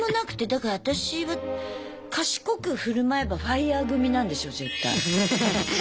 だから私は賢く振る舞えばＦＩＲＥ組なんですよ絶対。